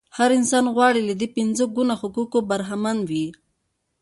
هر انسان غواړي له دې پنځه ګونو حقوقو برخمن وي.